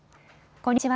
こんにちは。